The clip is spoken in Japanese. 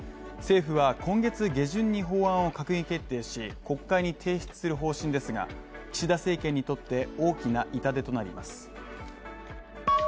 政府は今月下旬に法案を閣議決定し国会に提出する方針ですが岸田政権にとって大きな痛手となります。